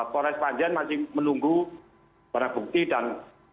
polres panjen masih menunggu para bukti dan